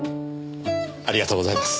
ありがとうございます。